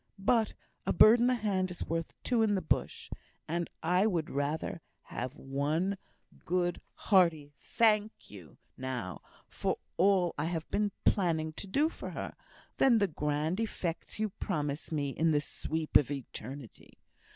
"But 'a bird in the hand is worth two in the bush;' and I would rather have had one good, hearty 'Thank you,' now, for all I have been planning to do for her, than the grand effects you promise me in the 'sweep of eternity.'